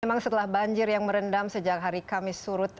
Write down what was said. memang setelah banjir yang merendam sejak hari kamis surut